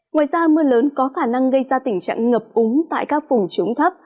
ngoài ra mưa lớn có khả năng gây ra tình trạng ngập úng tại các phùng trúng thấp